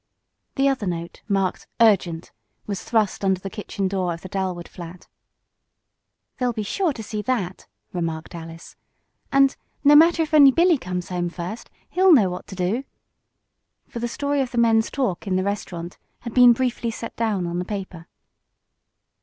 The other note, marked "Urgent!" was thrust under the kitchen door of the Dalwood flat. "They'll be sure to see that," remarked Alice. "And, no matter if only Billy comes home first, he'll know what to do," for the story of the men's talk in the restaurant had been briefly set down on the paper.